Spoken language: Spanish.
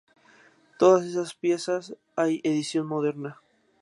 De todas estas piezas hay edición moderna.